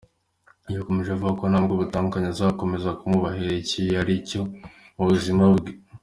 Yakomeje avuga ko nubwo batandukanye azakomeza kumwubahira icyo yari cyo mu buzima bwe.